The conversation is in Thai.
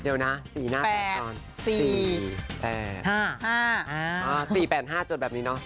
เดี๋ยวนะสี่หน้าแปดกรอนสี่แปดห้าสี่แปดห้าจดแบบนี้เนอะ